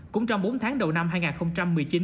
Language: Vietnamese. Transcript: cũng trong bốn tháng đầu năm hai nghìn một mươi chín